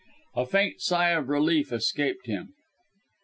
A faint sigh of relief escaped him.